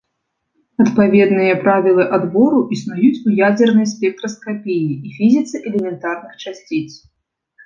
Адпаведныя правілы адбору існуюць у ядзернай спектраскапіі і фізіцы элементарных часціц.